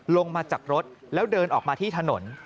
ลงมาจากรถแล้วเดินออกมาที่ถนน